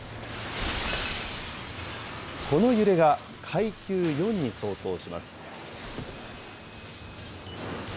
この揺れが、階級４に相当します。